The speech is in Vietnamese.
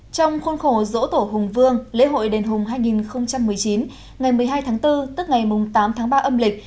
trong khuôn khổ dỗ tổ hùng vương lễ hội đền hùng hai nghìn một mươi chín ngày một mươi hai tháng bốn tức ngày tám tháng ba âm lịch